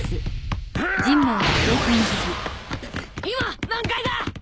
今何階だ！？